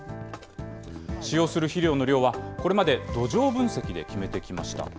使用する肥料の量は、これまで土壌分析で決めてきました。